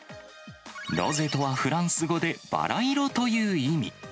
ロゼとはフランス語でバラ色という意味。